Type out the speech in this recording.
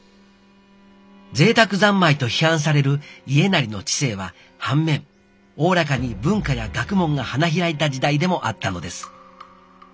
ぜいたく三昧と批判される家斉の治世は反面おおらかに文化や学問が花開いた時代でもあったのです。